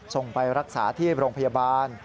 ส่งไปรักษาที่โรงพยาบาล